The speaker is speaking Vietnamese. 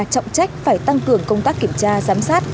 trọng trách phải tăng cường công tác kiểm tra giám sát